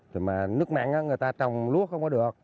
thì mà nước mặn người ta trồng luốt không có được